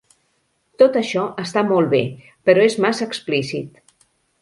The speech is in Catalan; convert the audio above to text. Tot això està molt bé, però és massa explícit.